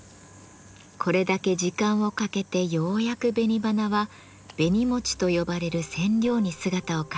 これだけ時間をかけてようやく紅花は「紅餅」と呼ばれる染料に姿を変えます。